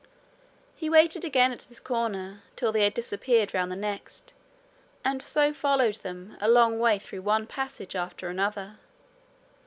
He waited again at this corner till they had disappeared round the next, and so followed them a long way through one passage after another.